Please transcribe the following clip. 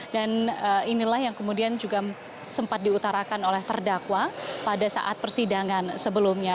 dan inilah yang kemudian juga sempat diutarakan oleh terdakwa pada saat persidangan sebelumnya